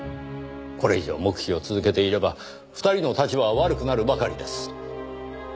これ以上黙秘を続けていれば２人の立場は悪くなるばかりです。